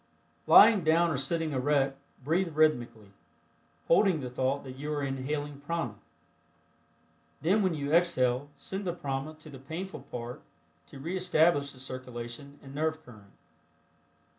Lying down or sitting erect, breath rhythmically, holding the thought that you are inhaling prana. Then when you exhale, send the prana to the painful part to re establish the circulation and nerve current.